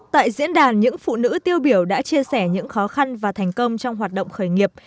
tại diễn đàn những phụ nữ tiêu biểu đã chia sẻ những khó khăn và thành công trong hoạt động khởi nghiệp